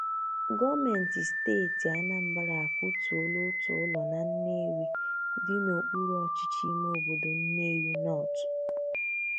gọọmenti steeti Anambra akụtùóla otu ụlọ na Nnewi dị n'okpuru ọchịchị ime obodo Nnewi North